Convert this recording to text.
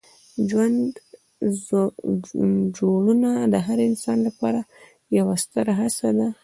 ژوند جوړونه د هر انسان لپاره یوه ستره هڅه ده.